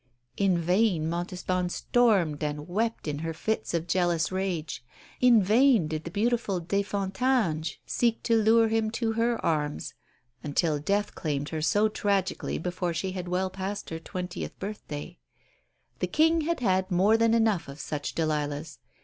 In vain Montespan stormed and wept in her fits of jealous rage; in vain did the beautiful de Fontanges seek to lure him to her arms, until death claimed her so tragically before she had well passed her twentieth birthday. The King had had more than enough of such Delilahs.